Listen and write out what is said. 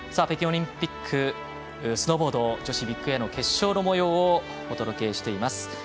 北京オリンピックスノーボード女子ビッグエア決勝のもようをお届けしています。